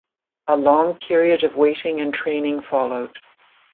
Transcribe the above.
A long period of waiting and training followed.